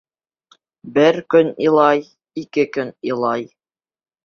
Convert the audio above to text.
Бер көн илай, ике көн илай.